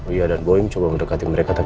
iya dan boeing coba mendekati mereka